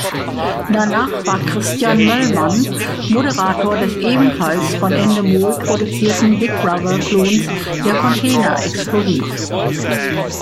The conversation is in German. Danach war Christian Möllmann Moderator des ebenfalls von Endemol produzierten Big-Brother-Klons Der Container Exklusiv.